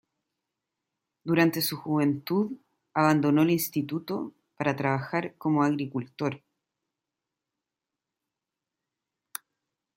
Durante su juventud abandonó el instituto para trabajar como agricultor.